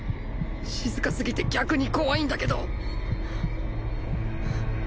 静かすぎて逆に怖いんだけど